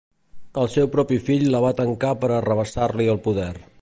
El seu propi fill la va tancar per arrabassar-li el poder.